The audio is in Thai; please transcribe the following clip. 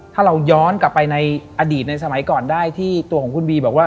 ถ้าเราย้อนกลับไปในอดีตในสมัยก่อนได้ที่ตัวของคุณบีบอกว่า